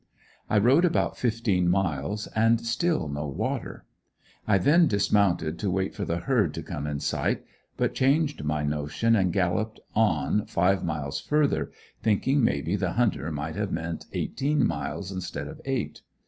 I rode about fifteen miles, and still no water. I then dismounted to wait for the herd to come in sight, but changed my notion and galloped on five miles further, thinking maybe the hunter might have meant eighteen miles instead of eight.